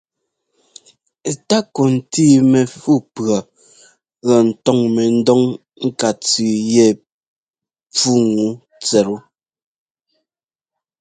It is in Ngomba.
Takɔ ntíi mɛfú pʉɔ lɔ ńtɔ́ŋ mɛdɔŋ ŋká tsʉʉ yɛ pfúŋu tsɛttu.